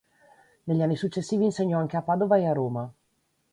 Negli anni successivi insegnò anche a Padova e a Roma.